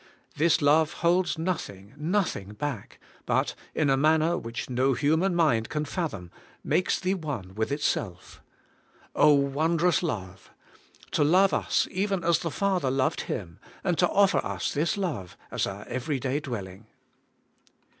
This love holds nothing, nothing back, but, in a manner which no human mind can fathom, makes thee one with itself. wondrous love ! to love us even as the Father loved Him, and to offer us this love as our every day dwelling.